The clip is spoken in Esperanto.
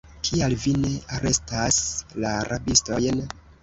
Kial vi ne arestas la rabistojn?